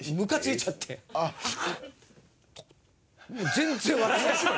全然笑えない。